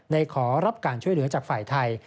ขอรับการช่วยเหลือจากฝ่ายไทย